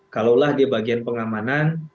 kalaulah di bagian pengamanan